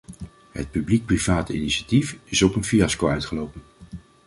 Het publiek-private initiatief is op een fiasco uitgelopen.